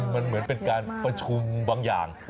มันเหมือนเป็นการประชุมบางอย่าง